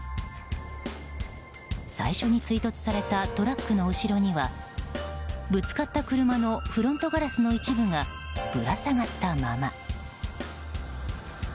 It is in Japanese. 最初に追突されたトラックの後ろにはぶつかった車のフロントガラスの一部がぶら下がったまま。